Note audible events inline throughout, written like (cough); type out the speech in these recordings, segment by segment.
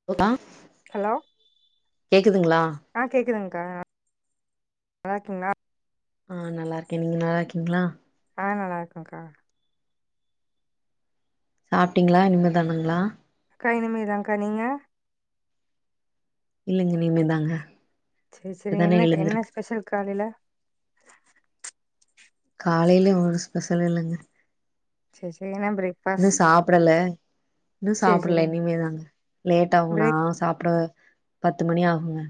இப்ப தா ஹலோ கேக்குதுங்களா ஆ கேக்குதுங்க்கா நல்லார்க்கீங்ளா ஆ நல்லா இருக்கே நீங்க நல்லா இருக்கீங்களா ஆ நல்லாருக்கோக்கா சாப்ட்டிங்களா இன்னுதானுங்களா கா இனிமேதாங்கா நீங்க இல்லங்க இனிமே தாங்க சேர் செரிங்க என்ன என்ன ஸ்பெஷல் காலைல காலைலியு‌ ஒரு ஸ்பெஷலு இல்லங்க சேர் சேர் ஏனா இப் இன்னு சாப்டல இன்னு சேரி சாப்பில்ல சேரிங் இனிமே தாங்க லேட் ஆகு நா பிரேக் சாப்ட பத்து மணி ஆகுங்க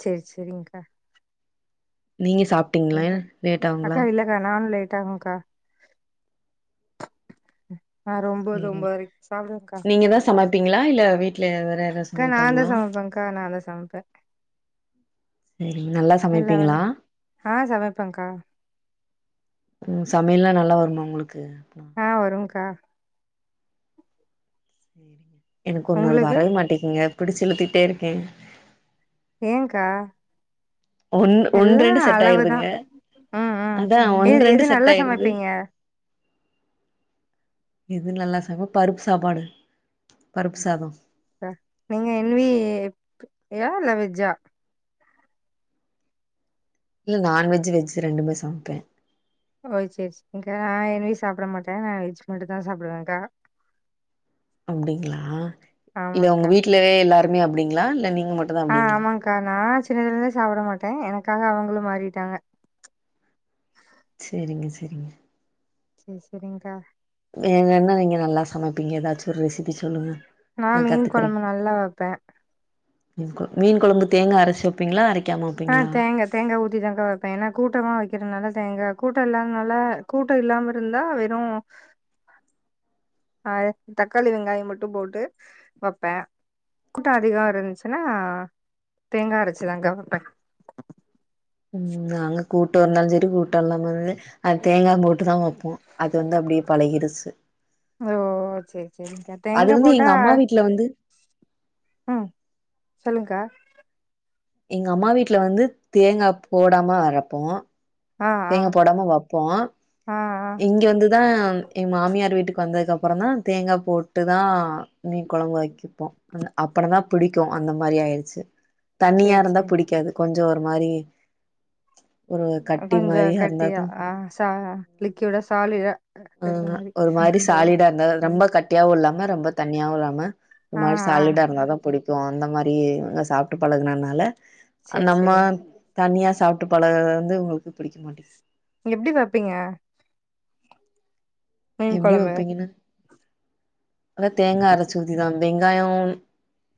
சேரி செரிங்க்கா நீங்க சாப் இல்க்கா அக்கா இல்லக்கா நானு லேட்டாகுக்கா நா ஒரு ஒம்போது ஒம்பதரைக்கு சாப்டுவேங்க்கா நீங்கதா சமப்பீங்ளா இல்ல வீட்ல வேற யாராது அக்கா நான்தா சமப்பாங்ளா சமைப்பேன்க்கா நான்தா சமைப்பே இங்கெல்லா எல்லா வேலயு ஆ சமப்பேக்கா ம் சமையல்லா நல்லா வருமா ஒங்ளுக்கு அப்பனா ஆ வருங்க்கா சேரிங்க எனக்கு ஒன்னோடு உங்களுக்கு வரவே மாட்டேகிங்க பிடிச்சி இழுத்திட்டே இருக்கே ஏங்க்கா ஒன் எல்லா ஒன்ரெண்டு செட் அளவுதா ஆயிருதுங்க ம் ம் அதா எது ஒன்ரெண்டு எது செட் நல்லா ஆயிருது சமைப்பீங்க இது நல்லா சமப்பருப்பு சாப்பாடு பருப்பு சாதோ க நீங்க என் வியா இல்ல வெஜ்ஜா இல்ல நான்வெஜு வெஜ்ஜு ரெண்டுமே சமப்பே ஓ செரி செரிங்க்கா நா என் வி சாப்ட மாட்டே நா வெஜ் மட்டு தா சாப்டுவேக்கா அப்டிங்களா இல்ல ஒங்க ஆமாங்க்கா வீட்டுல எல்லாருமே அப்டிங்களா இல்ல நீங்க மட்டுதா அப்டிங்களா கா நா சின்னதுல இருந்தே சாப்ட மாட்டே எனக்காக அவுங்களு மாறிட்டாங்க சேரிங்க செரிங்க சேர் செரிங்க்கா எ என்ன நீங்க நல்லா சமப்பீங்க எதாச்சு ஒரு ரெசிபி சொல்லுங்க நா மீன் கொழம்பு நல்லா வெப்பே மீன் கொழம்பு மீன் கொழம்பு தேங்கா அரச்சி வப்பீங்ளா அரைக்காம ஆ வப்பீங்ளா தேங்கா தேங்கா ஊத்திதான்க வைபேன் ஏன்னா கூட்டமா வைக்கிறதுனால தேங்க் கூட்டம் இல்லாததுனால கூட்டம் இல்லாம இருந்தா வெறும் ஆ தக்காளி வெங்காயம் மட்டும் போட்டு வைப்பேன் கூட்டம் அதிகமா இருந்துச்சுன்னா தேங்கா அரைச்சுதான்கா வைப்பேன் ம் நாங்க கூட்டம் இருந்தாலும் செரி கூட்டம் இல்லாம இருந்து அந்த தேங்கா போட்டுதான் வைப்போம் அது வந்து அப்டியே பழகிருச்சு ஓ செரி செரிகா தேங்கா போட்டா இல்ல வந்து ம் சொல்லுங்கக்கா எங்க அம்மா வீட்ல வந்து தேங்கா போடாம அரைப்போம் ஆ ஆ ஆ ஆ இங்கே வந்து தான் எங்க மாமியார் வீட்டுக்கு வந்ததுக்க அப்பறம் தான் தேங்கா போட்டு தான் மீன் குழம்பு வைக் வைப்போ அப்பறம்தான் புடிக்கும் அந்த மாரி ஆயிடுச்சு தண்ணியா சேரி இருந்தா சேரி புடிக்காது கொஞ்சம் ஒரு மாரி ஒரு கட்டி மாரி இருந்தா தான் புடிக்கும் ச லிக்வீடா சாலிடா ஆ ஒரு மாரி ஓ சாலிடா இருந்தா ரொம்ப கட்டியாவும் இல்லாம ரொம்ப தண்ணியாவும் இல்லாம ஒரு ஆ மாரி ஆ சாலிடா இருந்தாதான் புடிக்கும் அந்த மாதரி இவங்க சாப்ட்டு பழகுனனால சேரி நம்ம சேரிங்க்கா தனியாக சாப்ட்டு பழகுறது வந்து உங்களுக்கு புடிக்கமாட்டிகிது எப்டி பாப்பீங்க மீன் எப்டி கொழம்பு வைப்பீங்கன்னா எல்லாம் தேங்கா அரைச்சி ஊத்திதான் வெங்காயம்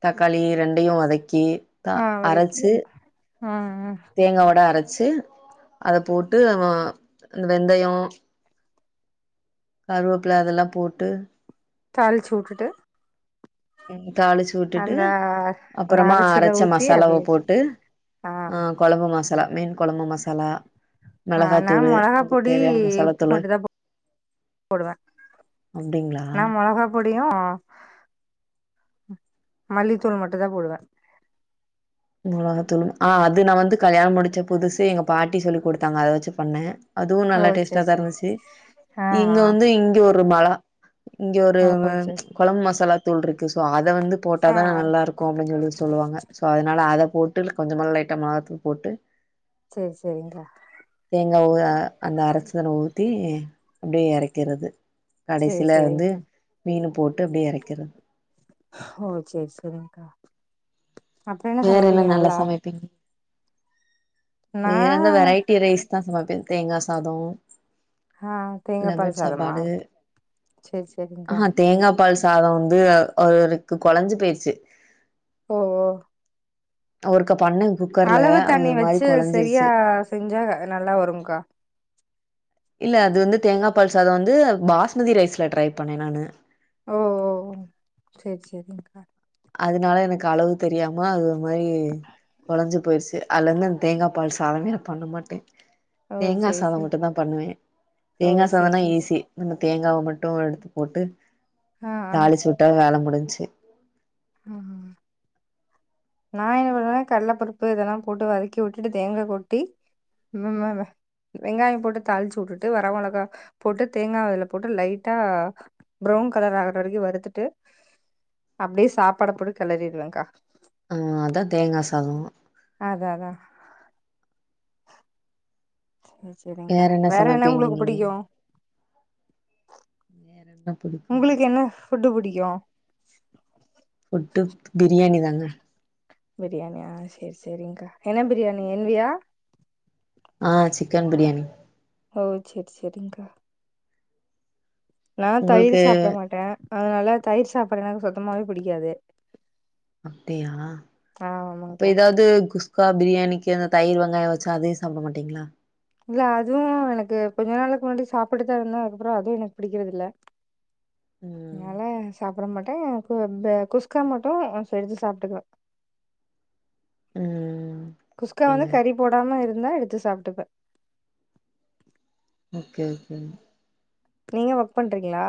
தக்காளி ரெண்டையும் வதக்கி த ஆ வதக்கி அரைச்சு ஆ ஆ தேங்கா வோட அரச்சு அத போட்டு வ இந்த வெந்தயம் கருவேப்பில அதெல்லாம் போட்டு தாளிச்சி வுட்டுட்டு தாளிச்சு விட்டுட்டு அந்த அந்த அப்புறமா அரச்சத அரைச்ச ஊத்தி மசாலாவ அப்டியே வச்சு போட்டு ஆ அ குழம்பு மசாலா மீன் குழம்பு மசாலா ஆ நா மிளகாத்தூளு மொளகா அதுக்கு பொடி தேவையான மசாலாத்தூளு போடுவ அப்டிங்களா நா மொளகா பொடியும் மல்லித்தூள் மட்டும் தான் போடுவேன் மொளகாதூளும் ஆ அது நா வந்து கல்யாணம் முடிச்ச புதுசு எங்க பாட்டி சொல்லி கொடுத்தாங்க அத வச்சி பண்ணே அதுவும் ஓ நல்லா டேஸ்டா சேரி தான் சேரி இருந்துச்சு ஆ இங்க வந்து இங்க ஒரு மொளகா இங்க ஒரு ஆ ஓ சேரி குழம்பு மசாலாதூள் இருக்கு சோ அதை வந்து ஆ போடதான் ஆ நல்லா இருக் க்கும் அப்டின்னு சொல்லி சொல்லுவாங்க சோ அதனால அத போட்டு கொஞ்சமா லைட்ட மிளகாத்தூள் போட்டு செரி செரிங்கா தேங்காய் அந்த அரைச்சி அதுல ஊத்தி அப்டியே இறக்கிறது சேரி கடைசியில வந்து சேரிங்க்கா மீன் போட்டு அப்டியே இறக்கிறது ஓ செரி செரிகா அப்பறம் என்ன சமைப்பிங்க நல்லா நா வேற எந்த வெரைட்டி ரைஸ் தான் சமைப்பேன் தேங்கா சாதம் ஆ தேங்காபால் லெமன் சாதமா சாப்பாடு சேரி சேரி்ங்கா ஆஹா தேங்காப் ப்பால் சாதம் வந்து அவருக்கு குலைஞ்சு போய்ருச்சு ஓ ஓ அவருக்கு பண்ண அளவு தண்ணி வெச்சு சரியா செஞ்சா நல்லா வரும்கா இல்ல அது வந்து தேங்கா பால் சாதம் வந்து பாஸ்மதி ரைஸ்ல ட்ரை பண்ணே நானு ஓ ஓ செரி செரி அதனால எனக்கு அளவு தெரியாம அது ஒரு மாரி குலஞ்சி போயிருசு அதுல இன்னு இந்த தேங்காய் பால் சாதொமே நா பண்ண மாட்டே ஓ தேங்கா சேரி சாதம் சேரி மட்டு தா பண்ணுவே ஓ தேங்கா சேரி சாதம்னா சேரி ஈஸி நம்ம தேங்காவ மட்டு எடுத்து போட்டு ஆ ஆ தாளிச்சு உட்டா வேல முடிஞ்ச்சு ஆ (inaudible) நா என்ன பண்ணுவே கல்லப்பருப்பு இதெல்லா போட்டு வதக்கி உட்டுட்டு தேங்கா கொட்டி உன்ன மாரே வெங்காயோ போட்டு தாளிச்சு உட்டுட்டு வர மொளகா போட்டு தேங்கா அதுல போட்டு லைட்டா ப்ரௌன் கலர் ஆகுற வரக்கு வறுத்துட்டு அப்டியே சாப்பாட போட்டு கெளறிடுவே கா ம் அதா தேங்கா சாதோ அதா அதா செரி செரிங்கா வேற என்ன உங்களுக்கு புடிக்கு வேற என்ன பிடிக்கும்? உங்களுக்கு என்ன ஃபுட்டு புடிக்கு ஃபுட்டு பிரியாணி தாங்க பிரியாணி ஆ செரி செரிங்கா என்ன பிரியாணி என் வி யா ஆ சிக்கன் பிரியாணி ஓ செரி செரிங்கா நா தயிர் உங்களுக்கு சாப்ட மாட்ட அத்னால தயிர் சாப்பாடுனால சுத்தமாவே புடிக்காது அப்டியா அப்ப எதாவ்து குஸ் குக்கா பிரியாணிக்கு அந்த தயிர் வெங்காயொ வெச்சா அதயு சாப்பட மாட்டீங்களா இல்ல அதும் எனக்கு கொஞ்ச நாளுக்கு முன்னாடி சாப்பிட்டு தா இருந்த அது அப்பறோ அதுவு எனக்கு புடிக்கெறது இல்ல ம் அதனால சாப்பட மாட்டே அப்போ இந்த குஸ்கா மட்டு செஞ்சி சாப்புட்டுக்குவ ம் குஸ்கா வந்து ஓகேங்க கறி போடாம இருந்தா எடுத்து சாப்ட்டுப்பே ஓகே ஓகேங்க நீங்க வர்க் பண்றீங்களா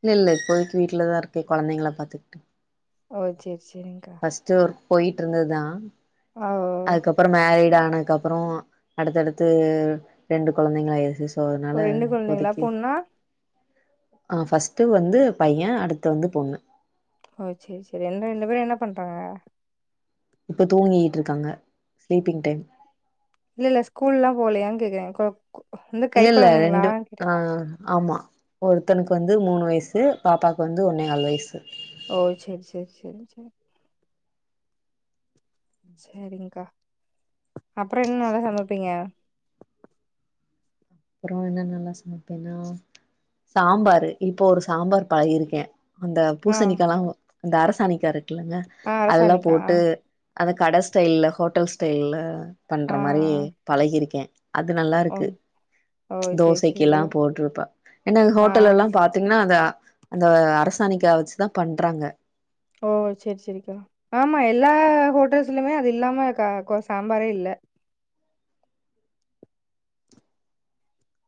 இல்ல இல்ல இப்போதெக்கி வீட்லதா இருக்கே கொழந்தெங்கள பாத்துட்டு ஓ செரி செரிங்கா ஃபஸ்டு ஒர்க் போய்ட்டு இருந்ததுதா ஓ அதுக்கப் அப்பறோ மேரீட் ஆனதுக்கு அப்பறோ அடுத்தடுத்து ரெண்டு கொழந்தெங்க ஆய்ட் சோ அத்னால ஒரு ரெண்டு கொழந்தைங்களா இப்போதெக்கி பொண்ணா ஆ ஃபஸ்ட்டு வந்து பைய அடுத்து வந்து பொண்ணு ஓ செரி செரி எங்க ரெண்டு பேரு என்ன பண்றாங்க இப்போ தூங்கீட்டு இருக்காங்க ஸ்லீப்பிங் டைம் இல்ல இல்ல ஸ்கூல்லா போலயான்னு கேக்குறே கொ கொ வந்து கை இல்ல இல்ல ரெண்டுப் கொழந்தைங்களான்னு கேட்டே ஆ ஆமா ஒருத்தனுக்கு வந்து மூனு வய்சு பாப்பாக்கு வந்து ஒன்னேகால் வய்சு ஓ செரி செரி செரி செரி செரிங்க கா அப்பறொ என்ன நல்லா சமப்பீங்க அப்பறோ என்னன்னல்லா சமப்பேன்னா சாம்பாரு இப்ப ஒரு சாம்பார் பழகிர்க்கே அந்த ஆ பூசணிக்காயல்லா அந்த அரசாணிக்காய் இருக்குல்லங்க ஆ அதெல்லா அரசாணிக்கா ஆ போட்டு அத கட ஸ்டைல்ல ஹோட்டல் ஸ்டைல்ல பண்ற ஆ மாறி பழகியிர்க்கே அது ஆ ஓ நல்லாருக்கு ஓ செரி செரி தோசைக்கில்லா போட்ருப்பா என்ன அது ஆ ஹோட்டல் லெல்லாம் பாத் திங்ன்னா அந்த அந்த அரசாணைக்கா வச்சுதான் பண்றாங்க ஓ செரி செரிக்கா ஆமா எல்லா ஹோட்டல்ஸ்லுமே அது இல்லாம கா கோஸ் சாம்பாரே இல்ல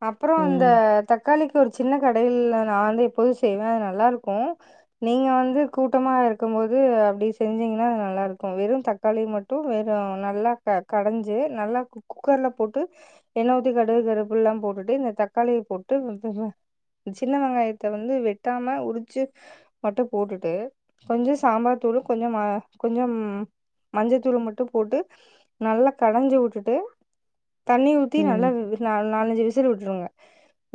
அப்புறோம் இந்த ம் தக்காளிக்கு ஒரு ஜின்ன கடையில்ல நா வந்து எப்போதும் செய்வ அது நல்லாருக்கும் நீங்க வந்து கூட்டமாருக்கும் போது அப்டி செஞ்சீங்கின்னா நல்லாருக்கும் வெறு தக் காளி மட்டு வேற நல்லா கடஞ்சு நல்லா குக் குக்கர்ல போட்டு எண்ண ஊத்தி கடுகு கருவேப்பில்லா போட்டுட்டு இந்த தக்காளிய போட்டு உப் ஜின்ன வெங்காயத்த வந்து வெட்டாம உரிச்சு மட்டு போட்டுட்டு கொஞ்ச சாம்பார் தூளு கொஞ்சம் மெளகா கொஞ்சம் மஞ்சத்தூள மட்டு போட்டு நல்லா கடஞ்சு விட்டுட்டு தண்ணீ ஊத்தி நல்லா ம் நால் நாலஞ்சு விசில் விட்டுருங்க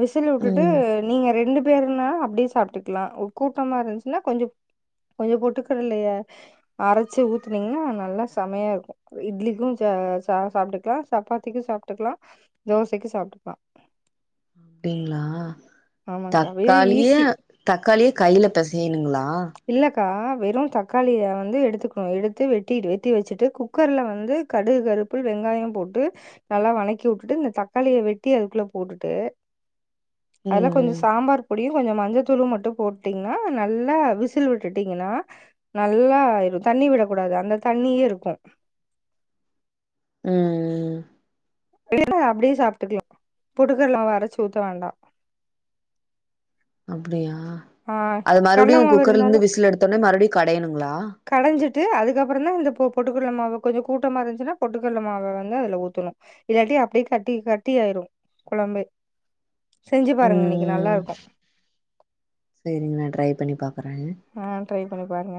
விசில் வுட்டுட்டு ம் நீங்க ரெண்டு பெர்னா அப்டியே சாப்ட்டுக்லா ஒ கூட்டமா இருந்துச்சுன்னா கொஞ்சோ கொஞ்ச பொட்டுக்கட்லய அரச்சி ஊத்துனீங்கன்னா நல்லா செமையாருக்கும் இட்லிக்கு ச சா சாப்ட்டுக்கலா சப்பாத்திக்கு சாப்ட்டுக்கலா தோசைக்கு சாப் ட்பா டிங்ளா வெரி தக்காளிய ஈஸி தக்காளிய கையில பெசையணுங்ளா இல்லக்கா வெறும் தக்காளிய வந்து எடுத்துக்கோங்க எடுத்து வெட்டிடு வெட்டி வச்சிட்டு கு க்கர்ல வந்து கடுகு கருவப்பில் வெங்காயம் போட்டு நல்லா வழக்கி வுட்டுட்டு இந்த தக்காளிய வெட்டி அதுக்குள்ள போட்டுட்டு அதுல கொஞ்ச ம் சாம்பார் பொடியும் கொஞ்சோ மஞ்சத்தூளு மட்டு போட்டீங்ன்னா நல்லா விஸ் சில் விட்டுட்டீங்கன்னா நல்லா தண்ணி விடக்கூடாது அந்த தண்ணியே இருக்கும் ம் ம் இல்ல அப்டியே சாப்ட்டுக்கலா பொட்டுக்கடல அரச்சு ஊத்த வேண்டா அப்டியா ஆ அது கடல மறுபடியு மாவு குக்கர்ல இருந்து இருந்தாலும் விசில் எடுத்தோடனே மறுபடியு கடையணுங்ளா கடஞ்சிட்டு அதுக்கப்புறந்தா இந்த பொ பொட்டுக்கடல மாவ கொஞ்சோ கூட்டமா இருந்துச்சுன்னா பொட்டுக்கட்ல மாவ வந்து அதுல ஊத்தணு இல்லாட்டி அப்டியே கட்டி கட்டியாயிரும் கொழம்பே செஞ்சு பாருங்க இன்னைக்கி நல்லாருக்கும் செரிங்க நா ட்ரை பண்ணி பாக்குறே ஆ ட்ரை பண்ணி பாருங்க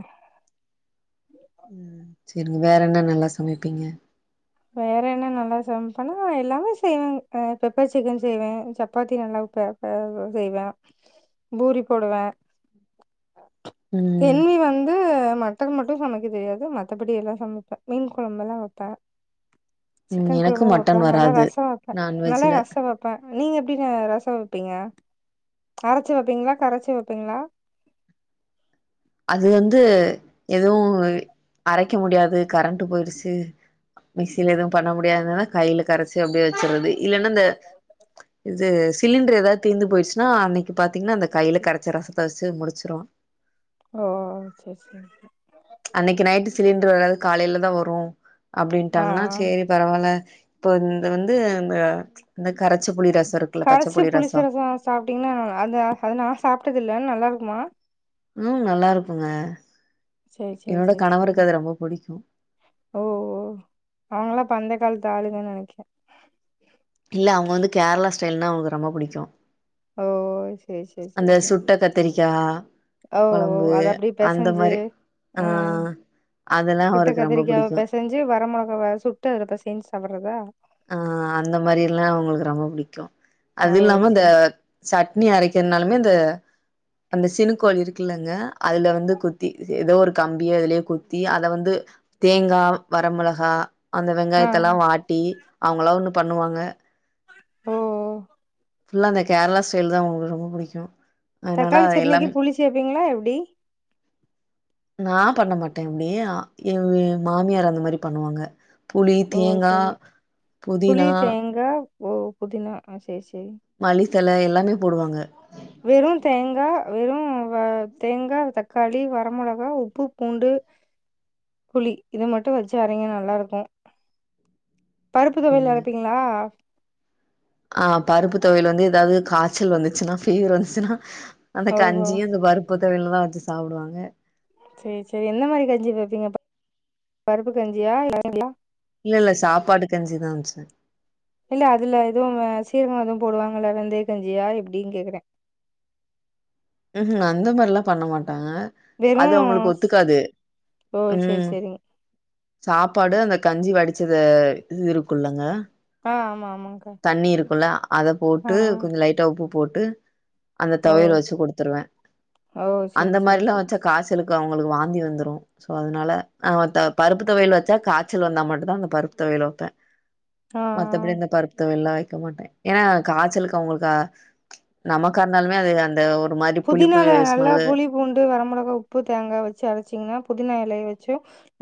உம் சரிங்க வேற என்ன நல்லா சமப்பிங்க வேற என்ன நல்லா சம்ப்பனா எல்லாமே செய்வேர் அ பெப்பர் ஜிக்கன் செய்வ சப்பாத்தி நல்லா வப்ப ஒ செய்வ பூரி போடுவ ம் என் வி வந்து மட் மட்டன் மட்டும் சமைக்க தெரியாது மத்தபடி எல்லா சமப்ப மீன் கொழம்பெல்லா வப்ப ம் ஜிக்கன் எனக்கு கொழம்பு வப்போ மட்டன் நல்லா வராது ரச வப்போ நல்லா நான்வெஜ்ல ரஸ்சோ வப் ப நீங்க எப்டிங்க ரசோ வப்பீங்க அரச்சி வப்பீங்களா கரச்சி வப்பீங்ளா அது வந்து எதுவு அரைக்க முடியாது கரண்ட் போயிடுச்சு மிக்சியில எதுவு பண்ண முடியாதுனா கைல கரச்சு அப்டியே வச்சுரது இல்லன்னா இந்த இது சிலிண்டர் ஏதாது தீந்து போயிட்ச்சுன்னா அன்னைக் பாத்தீங்கன்னா அந்த கைல கரச்ச ரசத்த வச்சு முடிச்சிருவோ ஓ சேர் சேர் சே அன்னைக்கு நைட்டு சிலிண்டர் வராது காலைல தா வரும் ஆ அப்டின்ட்டாங்கன்னா ஆ சேரி பரவால்ல இப்போ இந்த வந்து அ இந்த கரச்ச புளி ரசோருக் கரைச்சி புளிச்ச ரசோ சாப்டீங்கன்னா அந்த அது நா சாப்டது இல்ல நல்லா இருக்குமா ம் நல்லா இருக்குங்க சேரி சேரி என்னோட சேரி சேரிங்க கணவருக்கு அது ரொம்ப புடிக்கு ஓ ஓ அவுங்கள்லா அப்ப அந்த காலத்து ஆளுங்க நெனைக்கே இல்ல அவுங்க வந்து கேரளா ஸ்டைல்னா அவுங்களுக்கு ரொம்ப புடிக்கோ ஓ சேரி சேரி அந்த சேரி சேரி சுட்ட கத்திரிக்கா ஓ ஓ கொழம்பு அத அப்டியே அந்த பெசஞ்சு மாரி ஆ ம் அதெல்லா அவருக்கு ரொம்ப புடிக்கு சி வரமொளகாவ சுட்டு‌ அதுல பெசஞ்சி சாப்புட்றதா ஆ அந்த மாரில்லா அவுங்களுக்கு ரொம்ப புடிக்கு ஓ அது இல்லாம இந்த சேரி சட்னி அரைக்கினு இன்னாலுமே இந்த அந்த சினுக்கோள் இருக்குல்லங்க அதுல வந்து குத்தி ஏதோ ஒரு கம்பியோ எதுலயோ குத்தி அத வந்து தேங்கா வரமெளகா அந்த ஆ வெங்காயத்தெல்லா வாட்டி அவங்களா ஒன்னு பண்ணுவாங்க ஓ ஓ ஃபுல்லா அந்த கேரளா ஸ்டைல் தா அவங்களுக்கு ரொம்ப புடிக்கு அதனால தக்காளி அது சட்னிக்கு எல்லாமே புளி சேப்பீங்ளா எப்டி (inaudible) நா பண்ண மாட்டே அப்டி இவ இவங்க எயே மாமியார் அந்த மாரி பண்ணுவாங்க புளி ஓ தேங்கா புதினா எங்க ஓ புதினா ஆ செரி செரி மல்லித்தழ எல்லாமே போடுவாங்க வெறு தேங்கா வெறு வ தேங்கா தக்காளி வர மொளகா உப்பு பூண்டு (inaudible) புளி இது மட்டு வெச்சி அரைங்க நல்லா இருக்கு பருப்பு தொவையல் அப்டிங்களா அரைப்பீங்ளா ஆ பருப்பு தொவையல் வந்து ஏதாது காச்சல் வந்துச்சின்னா ஃபீவர் வந்துச்சின்னா அந்த ஓஹோ கஞ்சியு இந்த பருப்பு தொவையலுந்தா வெச்சி சாப்புடுவாங்க சேரி சேரி எந்த மாரி கஞ்சி வெப்பீங்க பருப்பு கஞ்சியா (inaudible) இல்ல இல்ல சாப்பாடு கஞ்சிதா வெச்சே இல்ல அதுல எதுவு சீரகோ எதுவு போடுவாங்கலா வெந்தய கஞ்சியா எப்டின்னு கேக்குறே ம் ம் அந்த மாரில்லா பண்ண மாட்டாங்க அது வெறும் அவுங்களுக்கு ஸ்- ஒத்துக்காது ஓ சேரி ம் சேரிங்க சாப்பாடு அந்த கஞ்சி வடிச்சத இது இருக்குள்ளங்க ஆ ஆமா ஆமாங்க்கா தண்ணி இருக்குல்ல அத ஆ போட்டு கொஞ்ச லைட்டா உப்பு போட்டு அந்த ஆ. ஓ தொவையல் வெச்சி குடுத்துருவே ஓ சேரி அந்த சேரி மாரில்லா சேரி வெச்சா காச்சலுக்கு அவுங்களுக்கு வாந்தி வந்துரு சோ அதனால ஆ அந்த பருப்பு தொவையல வெச்சா காய்ச்சல் வந்தா மட்டுதா அந்த பருப்பு தொவையல வெப்பே ஆ ஆ மத்தபடி அந்த பருப் துவையல்லா அரைக்க மாட்டே ஏனா காய்ச்சலுக்கு அவங்களுக் கா நமக்கா இருந்தாலுமே அது அந்த ஒரு ஒரு மாரி புளிப்பு புதினால நல்லா ஸ்மெல்லு புளி பூண்டு வர மிளகா உப்பு தேங்கா வச்சி அரைச்சிங்கனா புதினா எலய வச்சி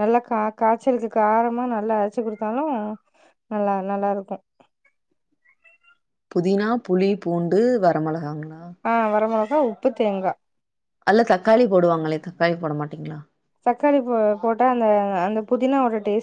நல்லா கா காய்ச்சலுக்கு காரமா நல்லா அரைச்சி குடுத்தாலு நல்லா நல்லா இருக்கு புதினா புளி பூண்டு வர மெளகாங்ளா ஆ வர மெளகா உப்பு தேங்கா அதுல தக்காளி போடுவாங்களே தக்காளி போட மாட்டீங்ளா தக்காளி போ போட்டா அந்த அந்த புதினாவோட டேஸ்ட்